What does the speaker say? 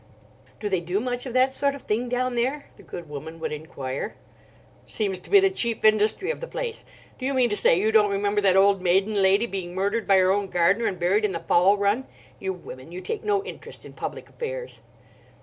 "Do they do much of that sort of thing down there?" the good woman would enquire. "Seems to be the chief industry of the place. Do you mean to say you don't remember that old maiden lady being murdered by her own gardener and buried in the fowl run? You women! you take no interest in public affairs."